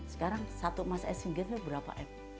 sekarang satu mas esinginnya berapa